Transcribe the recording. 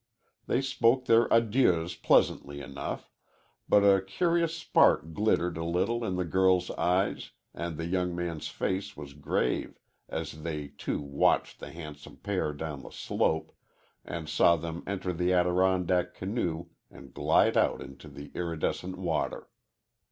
They spoke their adieus pleasantly enough, but a curious spark glittered a little in the girl's eyes and the young man's face was grave as they two watched the handsome pair down the slope, and saw them enter the Adirondack canoe and glide out on the iridescent water.